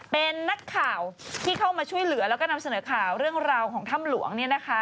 เป็นนักข่าวที่เข้ามาช่วยเหลือแล้วก็นำเสนอข่าวเรื่องราวของถ้ำหลวงเนี่ยนะคะ